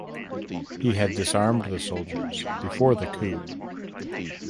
He had disarmed the soldiers before the coup.